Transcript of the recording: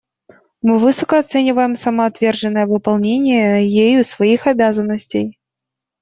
Мы высоко оцениваем самоотверженное выполнение ею своих обязанностей.